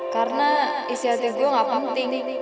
karena isi hati gue ga penting